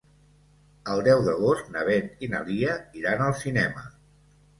El deu d'agost na Beth i na Lia iran al cinema.